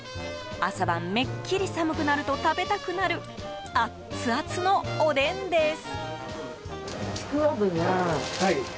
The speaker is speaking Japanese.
朝晩めっきり寒くなると食べたくなるアッツアツのおでんです。